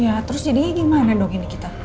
ya terus jadi gimana dong ini kita